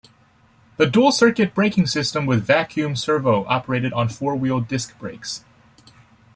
The dual-circuit braking system with vacuum servo operated on four wheel disc brakes.